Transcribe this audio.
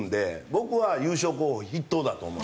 僕は優勝候補筆頭だと思う。